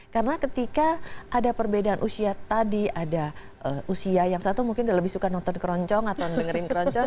karena ketika ada perbedaan usia tadi ada usia yang satu mungkin sudah lebih suka nonton keroncong atau dengerin keroncong